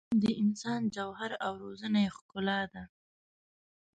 علم د انسان جوهر او روزنه یې ښکلا ده.